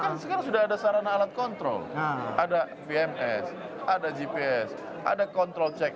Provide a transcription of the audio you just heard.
karena sekarang sudah ada sarana alat kontrol ada vms ada gps ada kontrol cek